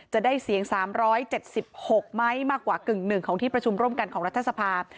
จะได้เสียง๓๗๖ไหมมากกว่ากึ่งหนึ่งของที่ประชุมร่วมกันของรัฐสภาพ